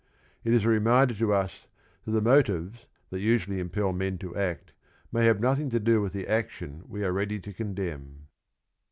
It is a reminder to us that the motives that usually impel men to act may have had nothing to do with the action we are ready to condemn.